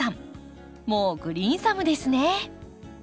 もうグリーンサムですね。